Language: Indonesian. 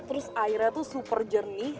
terus airnya tuh super jernih